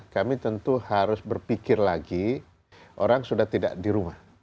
kami tentu harus berpikir lagi orang sudah tidak di rumah